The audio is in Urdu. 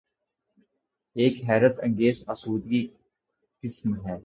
ایک حیرت انگیز آسودگی قسم ہے۔